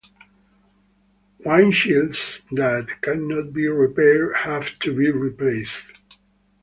Windshields that cannot be repaired have to be replaced.